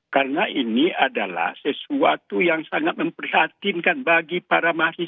karena ini adalah sesuatu yang sangat mempersatinkan bagi para mahasiswa